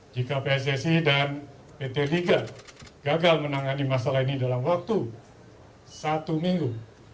jika pssi dan pt liga gagal menangani masalah ini dalam waktu satu minggu